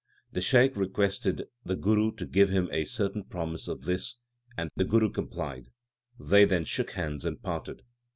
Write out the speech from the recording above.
The Shaikh requested the Guru to give him a certain promise of this, and the Guru complied. They then shook hands and parted.